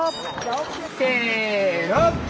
せの！